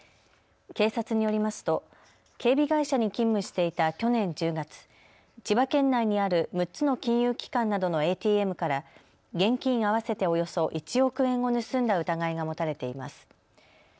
警察によりますと警備会社に勤務していた去年１０月、千葉県内にある６つの金融機関など金融機関などのＡＴＭから現金合わせておよそ１億円を盗んだ疑いが持たれています。